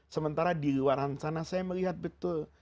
sementara di luar sana saya melihat betul